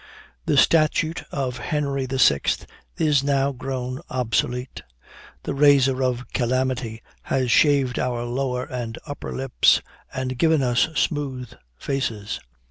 "The statute of Henry VI is now grown obsolete. The razor of calamity has shaved our lower and upper lips, and given us smooth faces.